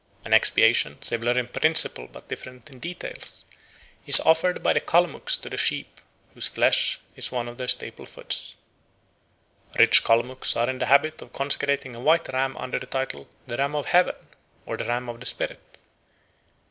An expiation, similar in principle but different in details, is offered by the Kalmucks to the sheep, whose flesh is one of their staple foods. Rich Kalmucks are in the habit of consecrating a white ram under the title of "the ram of heaven" or "the ram of the spirit."